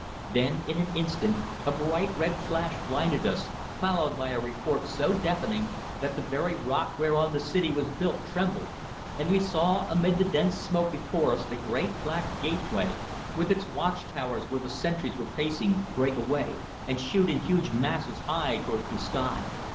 Then, in an instant, a bright red flash blinded us, followed by a report so deafening, that the very rock whereon the city was built trembled, and we saw amid the dense smoke before us the great black gateway, with its watch towers where the sentries were pacing, break away, and shoot in huge masses high towards the sky.